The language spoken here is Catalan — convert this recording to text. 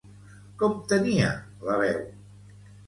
Com tenia la veu?